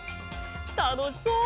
たのしそう！